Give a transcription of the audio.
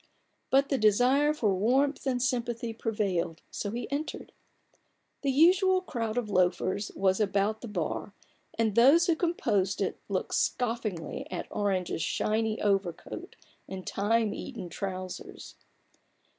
But the desire for warmth and sympathy prevailed, so he entered. The usual crowd of loafers was about the bar, and those who composed it looked scoffingly at Orange's shiny overcoat and time eaten trousers.